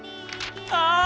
ああ！